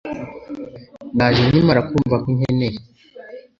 Naje nkimara kumva ko unkeneye